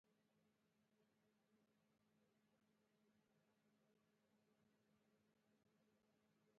د غرونو لمنې حاصلخیزې وي.